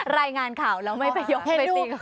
รายงานข่าวแล้วไม่ไปยกไปตีกับคอนเซอร์ต